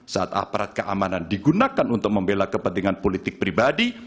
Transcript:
saat aparat keamanan digunakan untuk membela kepentingan politik pribadi